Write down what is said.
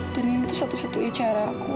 dan ini tuh satu satunya cara aku